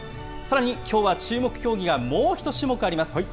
さらに、きょうは注目競技がもう１種目あります。